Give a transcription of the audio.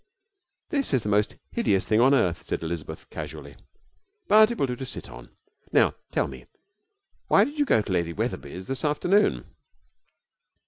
'This is the most hideous thing on earth,' said Elizabeth casually, 'but it will do to sit on. Now tell me: why did you go to Lady Wetherby's this afternoon?'